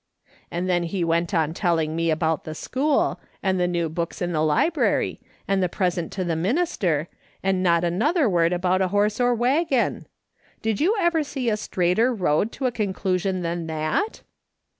And tlien he went on telling me about the school, and the new books in the library, and the present to the minister, and not another word about a horse or waggon ! Did you ever see a straighter road to a conclusion than that